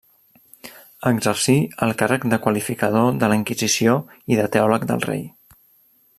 Exercí el càrrec de qualificador de la inquisició i de teòleg del rei.